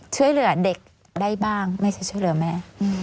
ช่วยเหลือเด็กได้บ้างไม่ใช่ช่วยเหลือแม่